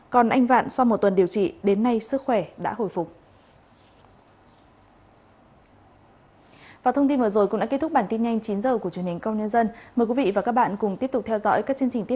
còn anh vạn sau một tuần điều trị đến nay sức khỏe đã hồi phục